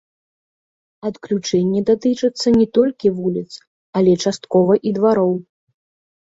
Адключэнні датычацца не толькі вуліц, але часткова і двароў.